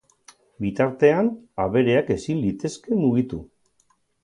Bitartean abereak ezin litezke mugitu.